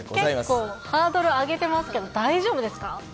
結構、ハードル上げてますけど、大丈夫ですか？